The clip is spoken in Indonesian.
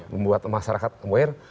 membuat masyarakat aware